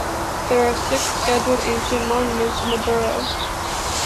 There are six Scheduled Ancient Monuments in the borough.